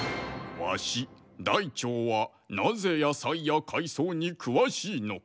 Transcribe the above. わし大腸はなぜ野菜や海藻にくわしいのか？